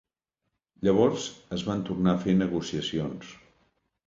Llavors, es van tornar a fer negociacions.